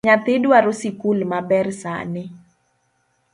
Nyathi dwaro sikul maber sani